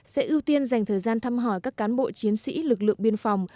sẽ ưu tiên dành thời gian thăm hỏi các cán bộ chiến sĩ lực lượng biên phòng